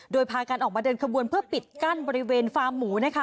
โดยพากันออกมาเดินขบวนเพื่อปิดกั้นบริเวณฟาร์มหมูนะคะ